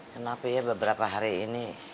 kenapa ya beberapa hari ini